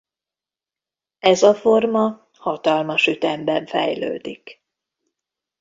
Ez a forma hatalmas ütemben fejlődik.